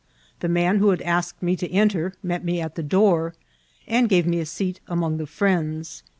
The man who had asked me to enter met me at the door, and gave me a seat among the friends.